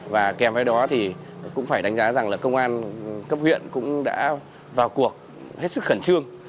và kèm với đó thì cũng phải đánh giá rằng là công an cấp huyện cũng đã vào cuộc hết sức khẩn trương